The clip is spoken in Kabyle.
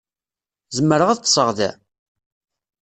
Zemreɣ ad ṭṭseɣ da?